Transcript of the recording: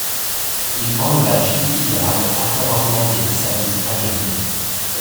Il enleva Jim Fitzgerald après avoir demandé des services à Johnny.